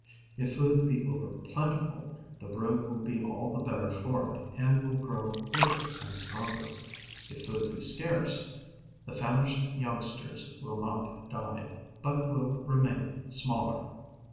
If food be over plentiful, the brood will be all the better for it and will grow bigger and stronger; if food be scarce, the famished youngsters will not die, but will remain smaller.